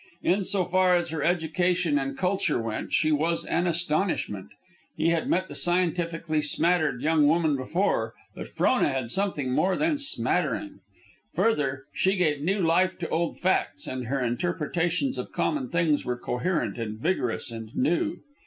In so far as her education and culture went, she was an astonishment. He had met the scientifically smattered young woman before, but Frona had something more than smattering. Further, she gave new life to old facts, and her interpretations of common things were coherent and vigorous and new.